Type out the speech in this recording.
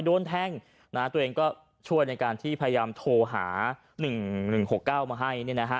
โดนแทงตัวเองก็ช่วยในการที่พยายามโทรหา๑๑๖๙มาให้เนี่ยนะฮะ